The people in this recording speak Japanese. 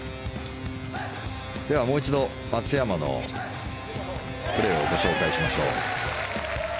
ではもう一度、松山のプレーをご紹介しましょう。